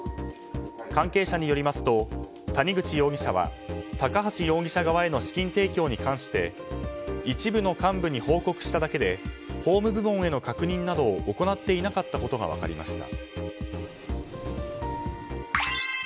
関係者によりますと谷口容疑者は高橋容疑者側への資金提供に関して一部の幹部に報告しただけで法務部門への確認などを行っていなかったことが分かりました。